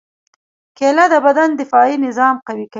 کېله د بدن دفاعي نظام قوي کوي.